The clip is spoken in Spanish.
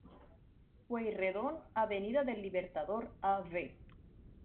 Pueyrredón, Avenida del Libertador, Av.